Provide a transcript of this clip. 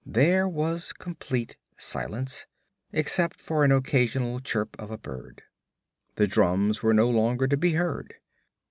There was complete silence, except for an occasional chirp of a bird. The drums were no longer to be heard.